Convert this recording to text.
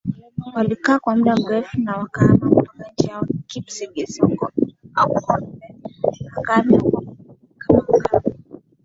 walikaa kwa muda mrefu na wakahama mpaka nchi ya Wakipsigis Ongombe akahamia huko Kamagambo